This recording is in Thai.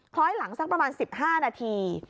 ล้อยหลังสักประมาณ๑๕นาที